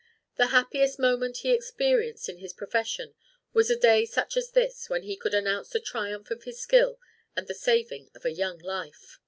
The happiest moment he experienced in his profession was a day such as this when he could announce the triumph of his skill and the saving of a young life.